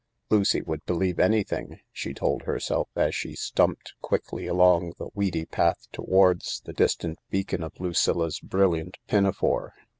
"Lucy would believe anything," she told herself, as she stumped quickly along the weedy path towards the distant beacon of Lucilla' brilliant pinafore.